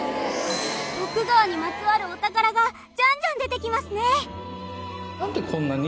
徳川にまつわるお宝がじゃんじゃん出てきますね。